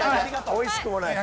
おいしくもない。